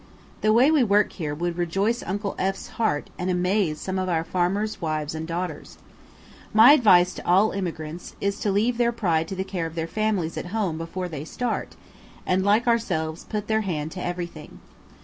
The way we work here would rejoice Uncle F 's heart and amaze some of our farmers' wives and daughters. My advice to all emigrants is to leave their pride to the care of their families at home before they start, and, like ourselves, put their hand to everything.